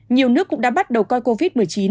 nhiều nước cũng đã bắt đầu coi covid một mươi chín